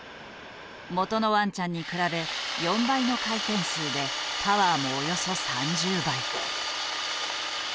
元のワンちゃんに比べ４倍の回転数でパワーもおよそ３０倍。